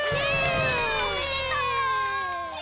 おめでとう！